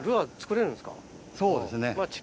そうですね。